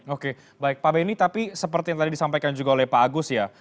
oke baik pak benny tapi seperti yang tadi disampaikan juga oleh pak agus ya